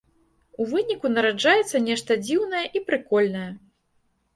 У выніку нараджаецца нешта дзіўная і прыкольная.